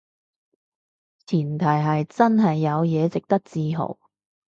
前提係真係有嘢值得自豪